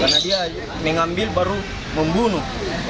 karena dia mengambil baru membunuh